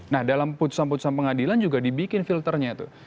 nah dalam putusan putusan pengadilan juga dibikin filternya tuh